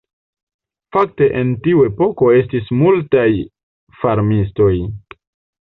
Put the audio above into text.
Fakte en tiu epoko estis multaj farmistoj.